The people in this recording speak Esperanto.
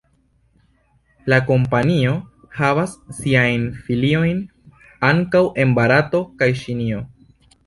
La kompanio havas siajn filiojn ankaŭ en Barato kaj Ĉinio.